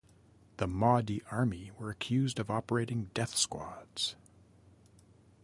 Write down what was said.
The Mahdi Army were accused of operating death squads.